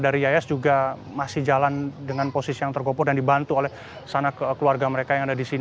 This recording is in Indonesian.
dan di sini saya melihat bahwa mereka sudah berada di tempat yang terdekat dengan posisi yang tergopor dan dibantu oleh sana keluarga mereka yang ada di sini